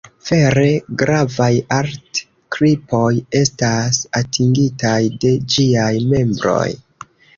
Vere gravaj art-kripoj estas atingitaj de ĝiaj membroj.